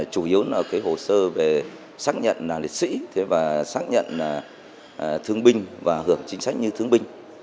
chủ yếu là hồ sơ về xác nhận liệt sĩ và xác nhận thương binh và hưởng chính sách như thương binh